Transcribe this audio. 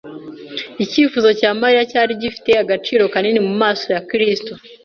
Icyifuzo cya Mariya cyari gifite agaciro kanini mu maso ya Kristo